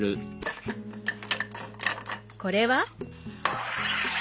これは？